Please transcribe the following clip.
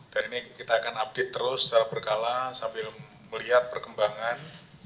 dan ini kita akan update terus secara berkala sambil melihat perkembangan